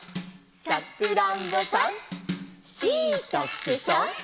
「さくらんぼさん」「しいたけさん」